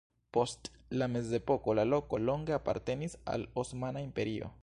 Post la mezepoko la loko longe apartenis al Osmana Imperio.